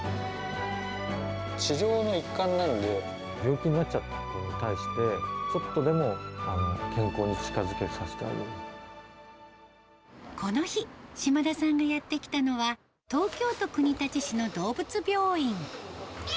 治療の一環なので、病気になっちゃった子に対して、ちょっとでも健康に近づけさせてこの日、島田さんがやって来たのは、東京都国立市の動物病院。